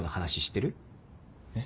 えっ？